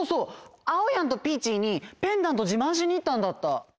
あおやんとピーチーにペンダントじまんしにいったんだった。